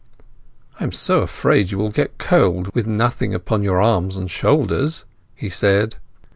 "I am so afraid you will get cold, with nothing upon your arms and shoulders," he said.